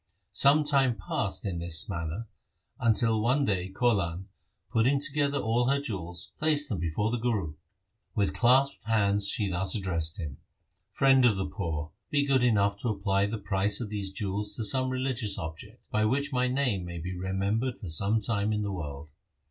Some time passed in this manner, until one day Kaulan, putting together all her jewels, placed them before the Guru. With clasped hands she thus addressed him, ' Friend of the poor, be good enough to apply the price of these jewels to some religious object, by which my name may be remembered for some time in the world.'